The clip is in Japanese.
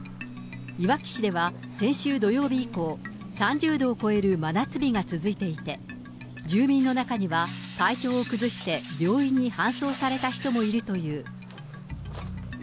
いわき市では先週土曜日以降、３０度を超える真夏日が続いていて、住民の中には、体調を崩して、病院に搬送された人もいるという。